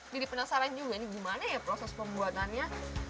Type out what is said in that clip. jadi penasaran juga ini gimana ya proses pembuatannya